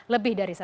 lebih dari satu